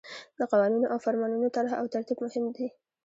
د قوانینو او فرمانونو طرح او ترتیب مهم دي.